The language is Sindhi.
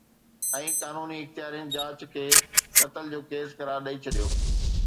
۽ قانوني اختيارين جاچ کي قتل جو ڪيس قرار ڏئي ڇڏيو